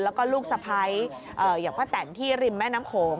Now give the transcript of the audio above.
แล้วก็ลูกสะพ้ายอย่างป้าแตนที่ริมแม่น้ำโขง